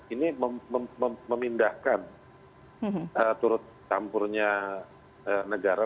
ini memindahkan tampurnya negara